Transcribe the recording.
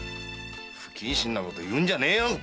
不謹慎なこと言うんじゃねえよ。